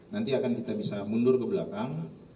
nanti akan kita bisa mundur ke belakang